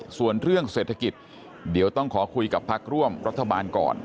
ส่วนเรื่องเศรษฐกิจเดี๋ยวต้องขอคุยกับพักร่วมรัฐบาลก่อน